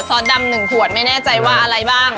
ซอสดำ๑ขวดไม่แน่ใจว่าอะไรบ้าง